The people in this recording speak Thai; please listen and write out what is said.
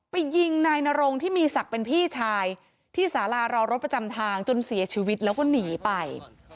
ยิงนายนรงที่มีศักดิ์เป็นพี่ชายที่สารารอรถประจำทางจนเสียชีวิตแล้วก็หนีไป